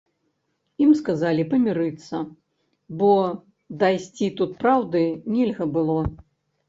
Ім сказалі памірыцца, бо дайсці тут праўды нельга было.